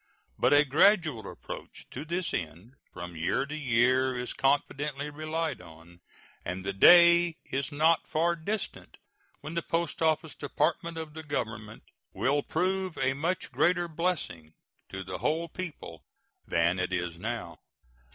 But a gradual approach to this end from year to year is confidently relied on, and the day is not far distant when the Post Office Department of the Government will prove a much greater blessing to the whole people than it is now.